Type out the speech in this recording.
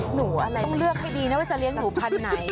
อะไรต้องเลือกให้ดีนะว่าจะเลี้ยงหนูพันธุ์ไหน